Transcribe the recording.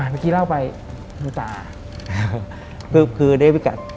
นักขึ้นไปน้ีมูตา